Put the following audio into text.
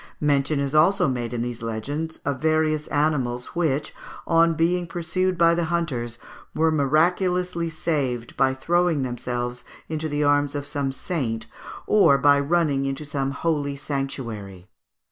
Mention is also made in these legends of various animals which, on being pursued by the hunters, were miraculously saved by throwing themselves into the arms of some saint, or by running into some holy sanctuary.